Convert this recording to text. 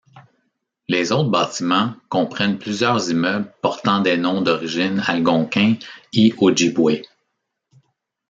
Les autres bâtiments comprennent plusieurs immeubles portant des noms d'origines Algonquins et Ojibwés.